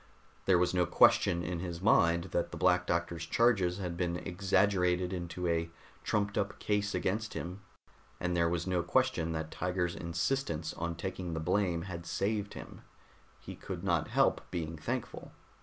There was no question in his mind that the Black Doctor's charges had been exaggerated into a trumped up case against him, and there was no question that Tiger's insistence on taking the blame had saved him; he could not help being thankful.